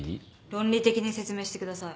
論理的に説明してください。